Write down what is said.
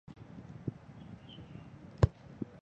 英国最高法院的行政工作并不由事务局负责。